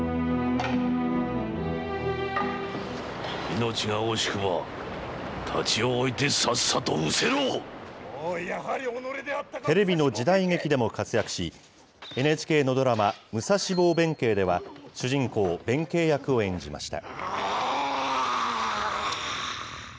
命が惜しくば、テレビの時代劇でも活躍し、ＮＨＫのドラマ、武蔵坊弁慶では、主人公、弁慶役を演じました。